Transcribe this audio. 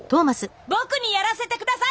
僕にやらせて下さい！